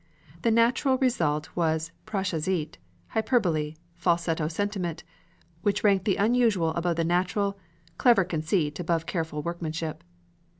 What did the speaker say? The natural result was preciosité, hyperbole, falsetto sentiment, which ranked the unusual above the natural, clever conceit above careful workmanship.